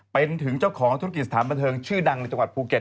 เป็นถึงเจ้าของธุรกิจสถานบันเทิงชื่อดังในจังหวัดภูเก็ต